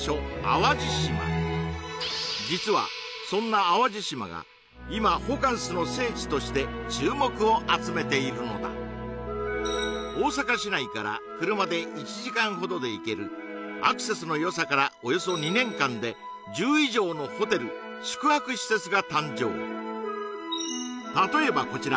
淡路島実はそんな淡路島が今ホカンスの聖地として注目を集めているのだ大阪市内から車で１時間ほどで行けるアクセスのよさからおよそ２年間で１０以上のホテル宿泊施設が誕生